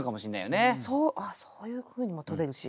あそういうふうにもとれるし。